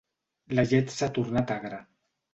La llet s'ha tornat agra.